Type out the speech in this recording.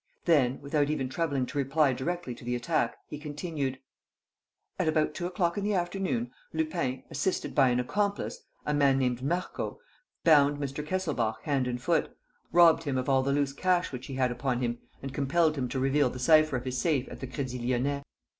Then, without even troubling to reply directly to the attack, he continued: "At about two o'clock in the afternoon, Lupin, assisted by an accomplice, a man named Marco, bound Mr. Kesselbach hand and foot, robbed him of all the loose cash which he had upon him and compelled him to reveal the cypher of his safe at the Crédit Lyonnais.